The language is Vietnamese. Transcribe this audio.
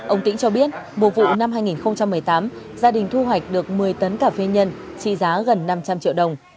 ông tĩnh cho biết mùa vụ năm hai nghìn một mươi tám gia đình thu hoạch được một mươi tấn cà phê nhân trị giá gần năm trăm linh triệu đồng